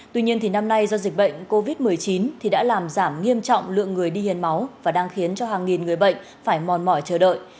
tuy nhiên năm nay do dịch bệnh covid một mươi chín thì đã làm giảm nghiêm trọng lượng người đi hiến máu và đang khiến cho hàng nghìn người bệnh phải mòn mỏi chờ đợi